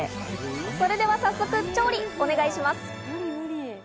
それでは、早速調理お願いします。